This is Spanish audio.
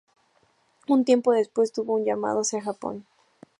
Un tiempo despues tuvo un llamado hacia Japón.